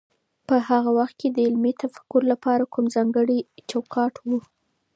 په هغه وخت کي د علمي تفکر لپاره کوم ځانګړی چوکاټ و؟